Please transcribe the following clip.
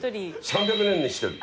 ３００年に１人の？